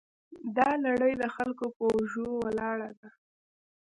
دا لړۍ د خلکو په اوږو ولاړه ده.